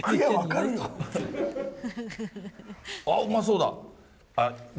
あ、うまそうだ。